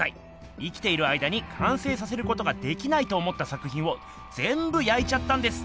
生きている間に完成させることができないと思った作品をぜんぶ焼いちゃったんです。